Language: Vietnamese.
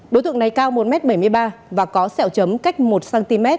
đối tượng này cao một bảy mươi ba m và có sẹo chấm cách một cm